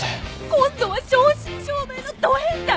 今度は正真正銘のど変態！